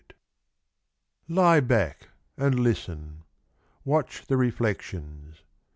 54 Outskirts. Lie back and listen, Watch the reflections.